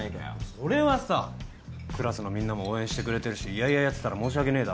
それはさクラスのみんなも応援してくれてるし嫌々やってたら申し訳ねえだろ。